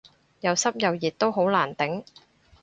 又濕又熱都好難頂